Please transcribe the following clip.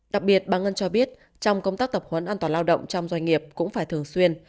đặc biệt bà ngân cho biết trong công tác tập huấn an toàn lao động trong doanh nghiệp cũng phải thường xuyên